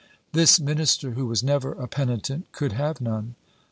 This minister, who was never a penitent, could have none.